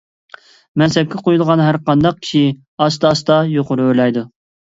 مەنسەپكە قويۇلغان ھەرقانداق كىشى ئاستا - ئاستا يۇقىرى ئۆرلەيدۇ.